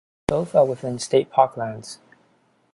Both are within state park lands.